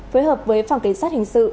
phối hợp với phòng cảnh sát hình sự